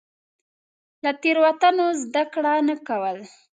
له تېروتنو زده کړه نه کول.